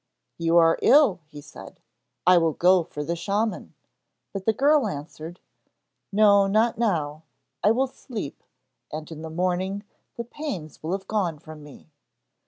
'You are ill,' he said, 'I will go for the shaman,' but the girl answered: 'No, not now. I will sleep, and in the morning the pains will have gone from me.'